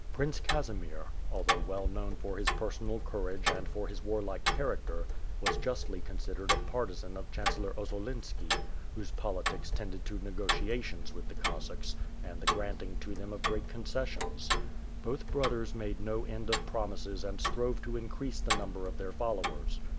Prince Casimir, although well known for his per sonal courage and for his warlike character, was justly con sidered a partisan of Chancellor Ossolinski, whose politics tended to negotiations with the Cossacks and the granting to them of great concessions. Both brothers made no end of promises and strove to increase the number of their follow ers.